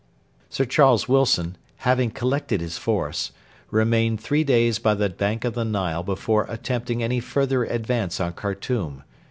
Sir Charles Wilson, having collected his force, remained three days by the bank of the Nile before attempting any further advance on Khartoum.